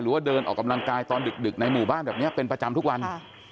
ว่าเดินออกกำลังกายตอนดึกในหมู่บ้านแบบนี้เป็นประจำทุกวัน